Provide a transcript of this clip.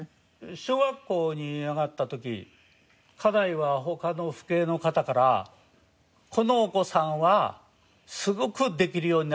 小学校に上がった時家内は他の父兄の方からこのお子さんはすごくできるようになります